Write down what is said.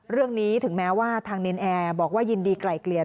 เรื่องนี้ถึงแม้ว่าทางเนรนแอร์บอกว่ายินดีไกลเกลี่ย